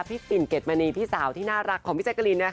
ปิ่นเกดมณีพี่สาวที่น่ารักของพี่แจกะลิน